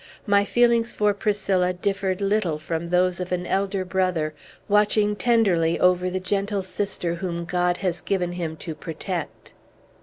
My feelings for Priscilla differed little from those of an elder brother, watching tenderly over the gentle sister whom God has given him to protect."